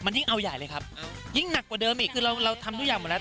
ยิ่งเอาใหญ่เลยครับยิ่งหนักกว่าเดิมอีกคือเราเราทำทุกอย่างหมดแล้ว